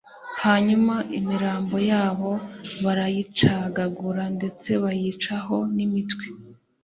hanyuma imirambo yabo barayicagagura ndetse bayicaho n'imitwe